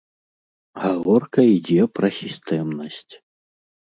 Гаворка ідзе пра сістэмнасць.